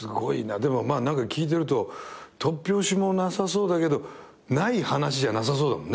でも聞いてると突拍子もなさそうだけどない話じゃなさそうだもんね。